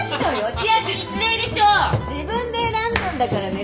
自分で選んだんだからね。